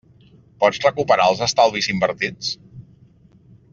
Pots recuperar els estalvis invertits?